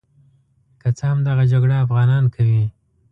که څه هم دغه جګړه افغانان کوي.